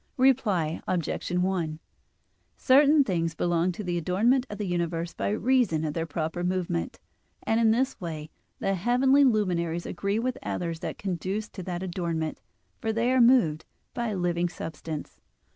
Reply Obj. 1: Certain things belong to the adornment of the universe by reason of their proper movement; and in this way the heavenly luminaries agree with others that conduce to that adornment, for they are moved by a living substance.